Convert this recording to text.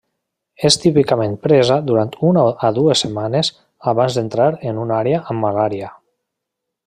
És típicament presa durant d'una a dues setmanes abans d'entrar en una àrea amb malària.